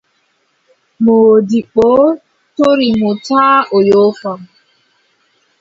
Moodibbo tori mo taa o yoofa.